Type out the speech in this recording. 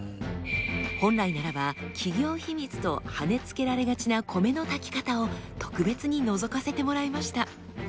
本来ならば企業秘密とはねつけられがちな米の炊き方を特別にのぞかせてもらいました。